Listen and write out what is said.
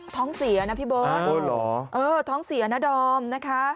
ท้องเสียนะพี่เบิ้ลอ่าโอ้ยเหรอเออท้องเสียนะดอมนะคะ